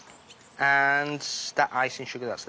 はい。